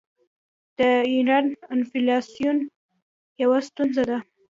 د ایران انفلاسیون یوه ستونزه ده.